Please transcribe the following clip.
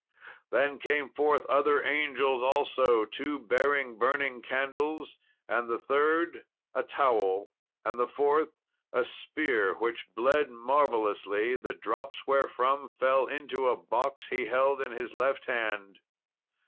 Then came forth other angels also two bearing burning candles, and the third a towel, and the fourth a spear which bled marvellously, the drops wherefrom fell into a box he held in his left hand.